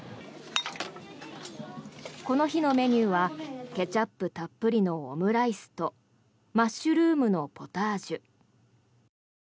この日のメニューはケチャップたっぷりのオムライスとマッシュルームのポタージュ。